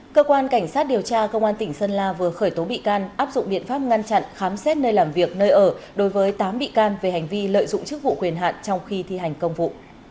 cơ quan cảnh sát điều tra công an tỉnh sơn la vừa khởi tố bị can áp dụng biện pháp ngăn chặn khám xét nơi làm việc nơi ở đối với tám bị can về hành vi lợi dụng chức vụ quyền hạn trong khi thi hành công vụ